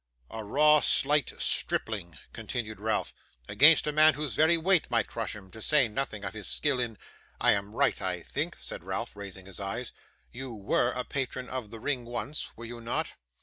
'A raw, slight stripling,' continued Ralph, 'against a man whose very weight might crush him; to say nothing of his skill in I am right, I think,' said Ralph, raising his eyes, 'you WERE a patron of the ring once, were you not?